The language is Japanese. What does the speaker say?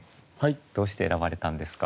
どうして選ばれたんですか？